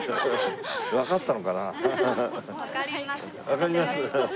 わかります？